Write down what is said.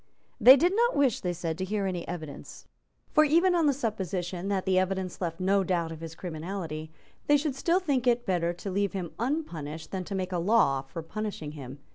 They did not wish, they said, to hear any evidence. For, even on the supposition that the evidence left no doubt of his criminality, they should still think it better to leave him unpunished than to make a law for punishing him.